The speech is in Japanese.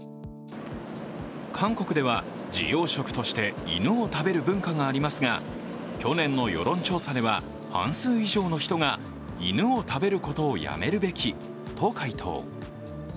韓国では滋養食として犬を食べる文化がありますが、去年の世論調査では、半数以上の人が犬を食べることをやめるべきと回答。